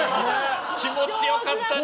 気持ちよかったね。